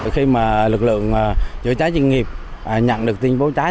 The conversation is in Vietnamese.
khi mà lực lượng chữa cháy chuyên nghiệp nhận được tin báo cháy